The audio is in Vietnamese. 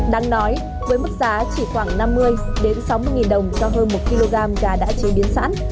đáng nói với mức giá chỉ khoảng năm mươi sáu mươi nghìn đồng cho hơn một kg gà đã chế biến sẵn